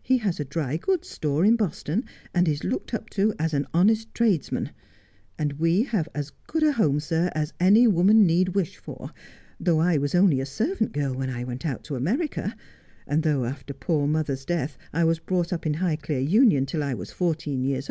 He has a dry goods store in Boston, and is looked up to as an honest tradesman ; and we have as good a home, sir, as any woman need wish for, though I was only a servant girl when I went out to America, and though after poor mother's death I was brought up in Highclere Union till I was fourteen years 90 Just as I Am.